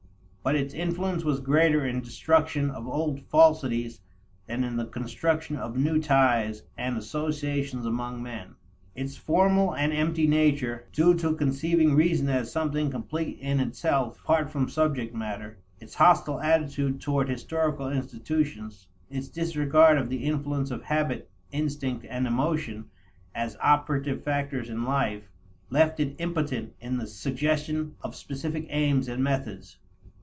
But its influence was greater in destruction of old falsities than in the construction of new ties and associations among men. Its formal and empty nature, due to conceiving reason as something complete in itself apart from subject matter, its hostile attitude toward historical institutions, its disregard of the influence of habit, instinct, and emotion, as operative factors in life, left it impotent in the suggestion of specific aims and methods.